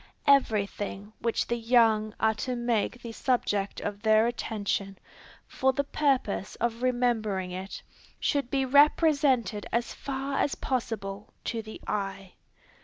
Every thing which the young are to make the subject of their attention, for the purpose of remembering it, should be represented as far as possible to the eye.